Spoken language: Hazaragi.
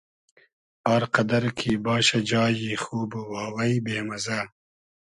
آر قئدئر کی باشۂ جایی خوب و واوݷ بې مئزۂ